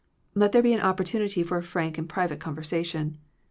Let there be an opportunity for a frank and private conversation.